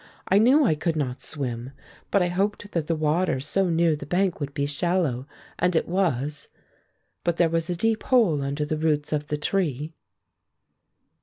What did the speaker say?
I knew I could not swim, but I hoped that the water so near the bank would be shallow; and it was, but there was a deep hole under the roots of the tree."